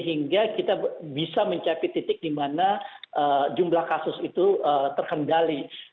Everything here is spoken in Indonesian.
sehingga kita bisa mencapai titik dimana jumlah kasus itu terkendali